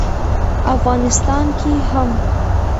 افغانستان کې هم